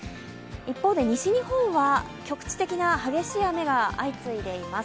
一方で西日本は局地的な激しい雨が相次いでいます。